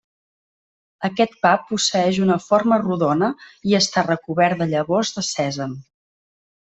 Aquest pa posseeix una forma rodona i està recobert de llavors de sèsam.